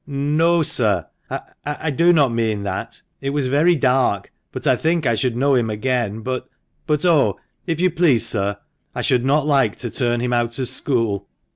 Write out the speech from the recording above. "No, sir, I do not mean that. It was very dark, but I think I should know him again. But, oh ! if you please, sir, I should not like to turn him out of school.